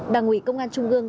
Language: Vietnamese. đảng ủy công an trung ương